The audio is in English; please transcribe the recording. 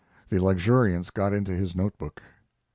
The luxuriance got into his note book.